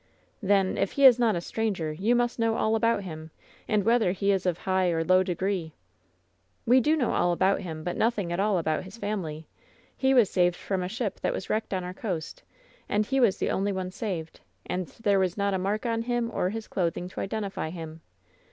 "Then, if he is not a stranger, you must know all about him, and whether he is of high or low degree." "We do know all about him, but nothing at all about his family. He was saved from a ship that was wrecked on our coast, and he was the only one saved, and there was not a mark on him or his clothing to identify him.